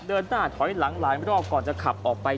เดินหน้าถอยหลังหลายรอบก่อนจะขับออกไป